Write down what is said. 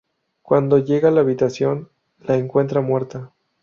Cuando llega a la habitación la encuentra muerta.